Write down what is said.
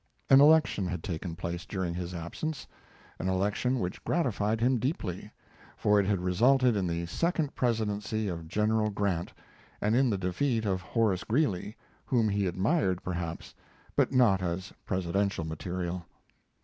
An election had taken place during his absence an election which gratified him deeply, for it had resulted in the second presidency of General Grant and in the defeat of Horace Greeley, whom he admired perhaps, but not as presidential material.